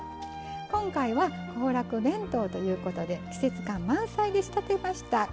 今回は行楽弁当ということで季節感満載で仕立てました。